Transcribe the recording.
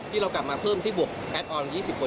เรากลับมาเพิ่มที่บวกแอดออน๒๐คน